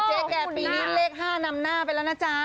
แก่ปีนี้เลข๕นำหน้าไปแล้วนะจ๊ะ